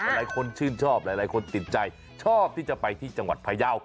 หลายคนชื่นชอบหลายคนติดใจชอบที่จะไปที่จังหวัดพยาว